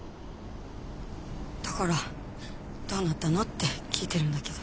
だからどうなったのって聞いてるんだけど。